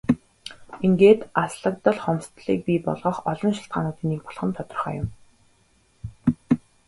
Ингээд алслагдал хомсдолыг бий болгох олон шалтгаануудын нэг болох нь тодорхой юм.